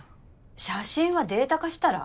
写真はデータ化したら？